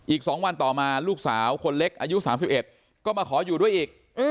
อีก๒วันต่อมาลูกสาวคนเล็กอายุ๓๑ก็มาขออยู่ด้วยอีก